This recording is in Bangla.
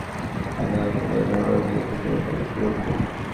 হুনাইন উপত্যকা ভালভাবে নিরীক্ষণ করে পলিসি গ্রহণ করি।